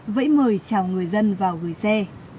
vậy mời chào người dân vào gửi xe